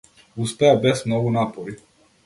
Успеа без многу напори.